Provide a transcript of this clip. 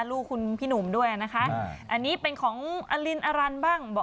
ลูกคุณพี่หนุ่มด้วยนะคะอันนี้เป็นของอลินอรันบ้าง